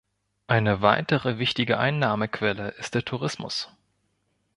Eine weitere wichtige Einnahmequelle ist der Tourismus.